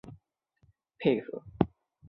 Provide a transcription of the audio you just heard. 谢谢大家的配合